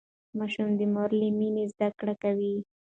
ماشوم د مور له مينې زده کړه کوي.